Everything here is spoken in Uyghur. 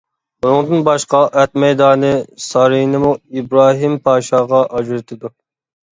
بۇنىڭدىن باشقا ئات مەيدانى سارىيىنىمۇ ئىبراھىم پاشاغا ئاجرىتىدۇ.